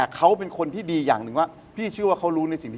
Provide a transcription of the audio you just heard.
เขาเป็นคนแบบนี้